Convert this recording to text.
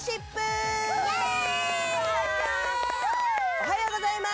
おはようございます。